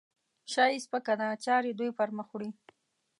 شا یې سپکه ده؛ چارې دوی پرمخ وړي.